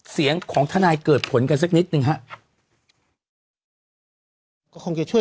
เสียงของทนายเกิดผลกันสักนิดนึงครับก็คงจะช่วย